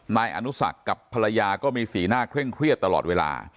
นายอนุสักกับภรรยาก็มีสีหน้าเคร่งเครียดตลอดเวลา